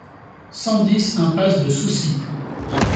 cent dix impasse de Soucy